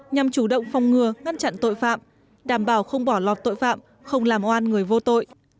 nhằm chủ động phòng ngừa ngăn chặn tội phạm đảm bảo không bỏ lọt tội phạm không làm oan người vô tội